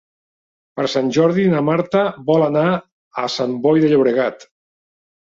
Per Sant Jordi na Marta vol anar a Sant Boi de Llobregat.